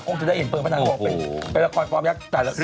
คงจะได้เห็นเพลิงพะนางเป็นละครฟอร์มยักษ์